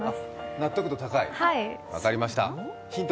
納得度高い、分かりましたヒント